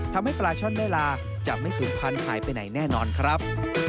ปลาช่อนแม่ลาจะไม่สูงพันธุหายไปไหนแน่นอนครับ